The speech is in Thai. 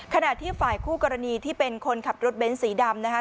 ขณะที่ฝ่ายคู่กรณีที่เป็นคนขับรถเบ้นสีดำนะคะ